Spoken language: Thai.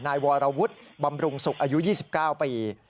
นายวรวุฒิบำรุงสุขอายุ๒๙ปี